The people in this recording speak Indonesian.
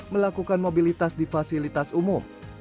melakukan mobilitas di fasilitas umum